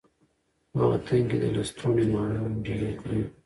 په وطن کي د لستوڼي ماران ډیر دي.